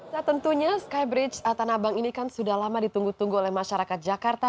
nah tentunya skybridge tanah abang ini kan sudah lama ditunggu tunggu oleh masyarakat jakarta